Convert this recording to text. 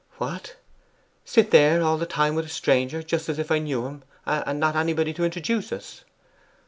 'What! sit there all the time with a stranger, just as if I knew him, and not anybody to introduce us?